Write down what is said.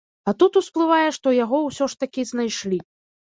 А тут усплывае, што яго ўсё ж такі знайшлі.